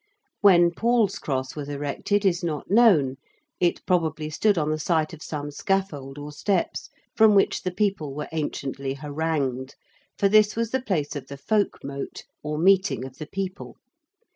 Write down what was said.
When Paul's Cross was erected is not known: it probably stood on the site of some scaffold or steps, from which the people were anciently harangued, for this was the place of the folk mote, or meeting of the people.